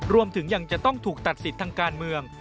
รวมถึงยังจะต้องถูกตัดสิทธิ์ทางการเมือง